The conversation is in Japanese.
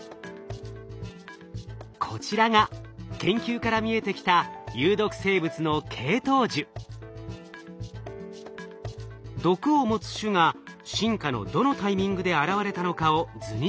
こちらが研究から見えてきた毒を持つ種が進化のどのタイミングで現れたのかを図にしたものです。